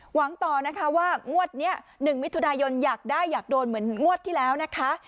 หวังต่อนะคะว่างวดนี้๑มิถุนายนอยากได้อยากโดนเหมือนงวดที่แล้วนะคะ